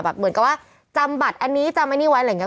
เหมือนกับว่าจำบัตรอันนี้จำอันนี้ไว้อะไรอย่างนี้